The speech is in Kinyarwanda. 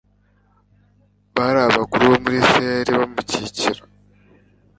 bari abakuru bo mu bisirayeli baramukurikira